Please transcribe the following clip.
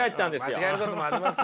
間違えることもありますよ。